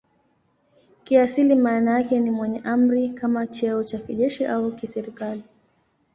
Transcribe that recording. Kiasili maana yake ni "mwenye amri" kama cheo cha kijeshi au kiserikali.